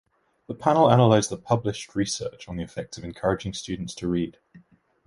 The panel analyzed the published research on the effects of encouraging students to read.